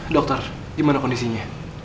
dokter gimana kondisinya